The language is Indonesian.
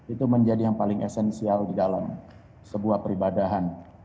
itu menjadi yang paling esensial di dalam sebuah peribadahan